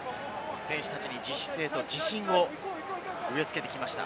選手たちに自主性と自信を植え付けてきました。